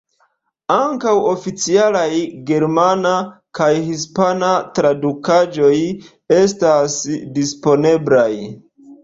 Ankaŭ oficialaj germana kaj hispana tradukaĵoj estas disponeblaj.